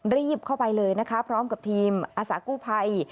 รีบเข้าไปเลยนะคะพร้อมกับทีมอาสากู้ภัย